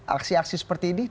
aksi aksi seperti ini